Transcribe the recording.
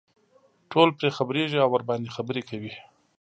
ټول پرې خبرېږي او ورباندې خبرې کوي.